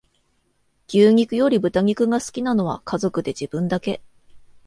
牛肉より豚肉が好きなのは家族で自分だけ